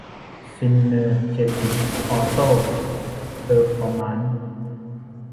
ซินเนอร์เจติค ออโต้ เพอร์ฟอร์มานซ์